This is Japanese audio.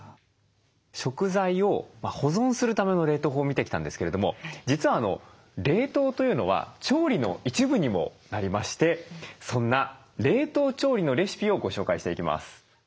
食材を保存するための冷凍法を見てきたんですけれども実は冷凍というのは調理の一部にもなりましてそんな冷凍調理のレシピをご紹介していきます。